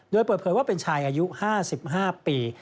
โดยเปิดเผยว่าเป็นชายอายุ๕๕ปี